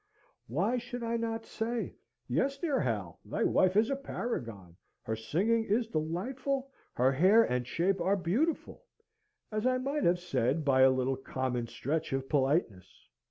Why should I not say, "Yes dear Hal, thy wife is a paragon; her singing is delightful, her hair and shape are beautiful;" as I might have said by a little common stretch of politeness?